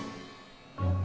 saya sudah bisa mencari kerjaan